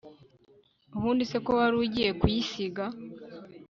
ubundi se ko warugiye kuyisiga